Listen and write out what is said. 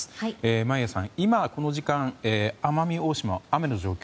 眞家さん、今この時間奄美大島の雨の状況